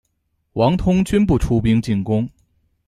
王通均不出兵进攻。